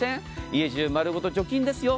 家中丸ごと除菌ですよ。